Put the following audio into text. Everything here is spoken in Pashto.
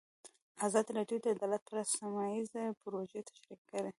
ازادي راډیو د عدالت په اړه سیمه ییزې پروژې تشریح کړې.